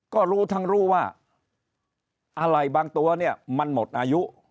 ก็รู้ทั้งรู้ว่าอะไรบางตัวเนี่ยมันหมดอายุ